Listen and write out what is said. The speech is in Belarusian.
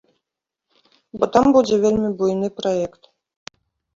Бо там будзе вельмі буйны праект.